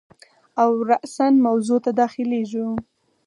او راساً موضوع ته داخلیږو.